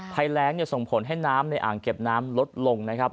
ภัยแรงส่งผลให้น้ำในอ่างเก็บน้ำลดลงนะครับ